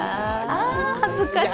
恥ずかしい。